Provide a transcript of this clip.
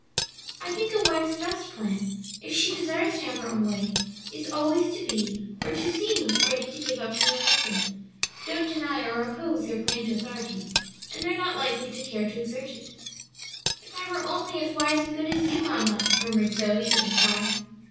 "I think a wife's best plan, if she desires to have her own way, is always to be or to seem ready to give up to her husband. Don't deny or oppose their claim to authority, and they are not likely to care to exert it." "If I were only as wise and good as you, mamma!" murmured Zoe with a sigh.